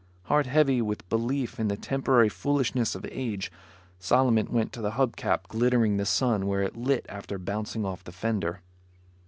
Heart heavy with belief in the temporary foolishness of age, Solomon went to the hub cap, glittering the sun where it lit after bouncing off the fender.